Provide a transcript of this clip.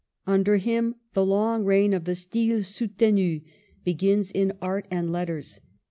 Under him the long reign of the Style soutemi begins in Art and Letters.